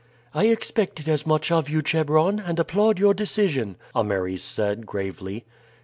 "I expected as much of you, Chebron, and applaud your decision," Ameres said gravely.